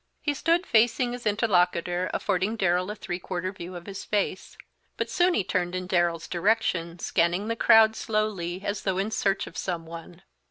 He stood facing his interlocutor, affording Darrell a three quarter view of his face, but soon he turned in Darrell's direction, scanning the crowd slowly, as though in search of some one.